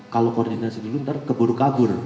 kalau koordinasi dulu ntar keburu kabur